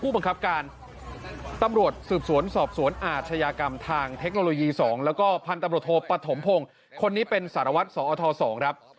พันธ์ตำรวจโทษปฐมพงศ์คนนี้เป็นสารวัสดิ์สอท๒ครับ